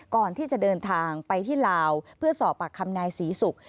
ก่อนที่จะเดินทางไปที่ลาวเพื่อสอบปากคำนายศรีศุกร์